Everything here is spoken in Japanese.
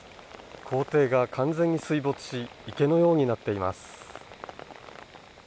校庭が完全に水没し池のようになっています。